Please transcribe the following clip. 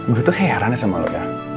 gue tuh heran ya sama lo ya